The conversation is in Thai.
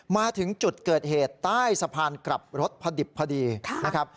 มาถึงจุดเกิดเหตุใต้สะพานกลับรถพอดิบพอดีนะครับ